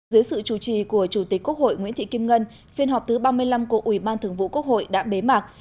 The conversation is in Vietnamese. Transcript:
dưới sự chủ trì của chủ tịch quốc hội nguyễn thị kim ngân phiên họp thứ ba mươi năm của ủy ban thường vụ quốc hội đã bế mạc